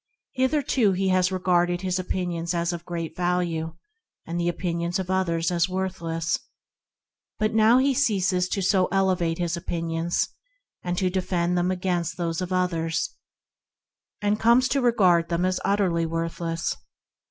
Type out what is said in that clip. Hitherto he has regarded his own opinions as of great value and the opinions of others as worthless, but now he ceases so to elevate his own opinions and to defend them against those of others, coming to regard them as worthless.